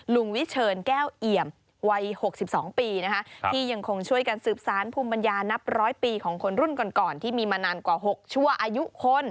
ลุงวิเชิญแก้วเอี่ยมวัย๖๒ปีนะคะที่ยังคงช่วยกันสืบสารภูมิปัญญานับร้อยปีของคนรุ่นก่อนที่มีมานานกว่า๖ชั่วอายุคน